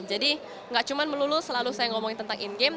jadi gak cuma melulu selalu saya ngomongin tentang in game